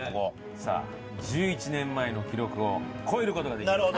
さあ１１年前の記録を超える事ができるか？